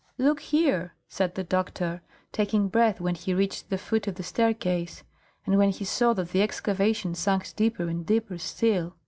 "Look here!" said the doctor, taking breath when he reached the foot of the staircase, and when he saw that the excavation sank deeper and deeper still.